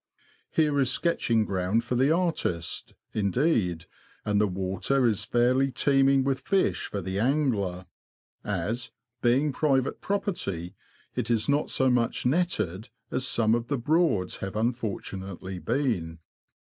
Here is sketching ground for the artist, indeed, and the water is fairly teeming with fish for the angler, as, being private property, it is not so much netted as some of the Broads have unfortunately been.